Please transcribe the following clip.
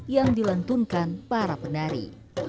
yang dilentunkan para penari